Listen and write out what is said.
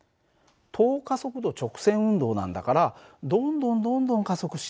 等加速度直線運動なんだからどんどんどんどん加速していくんだよ。